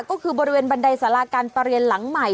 ก็คือบริเวณบันไดสาราการประเรียนหลังใหม่